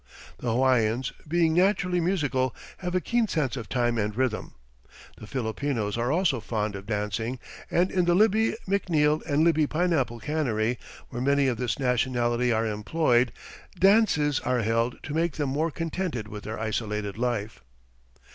The Hawaiians, being naturally musical, have a keen sense of time and rhythm. The Filipinos are also fond of dancing, and in the Libby, McNiel and Libby pineapple cannery, where many of this nationality are employed, dances are held to make them more contented with their isolated life.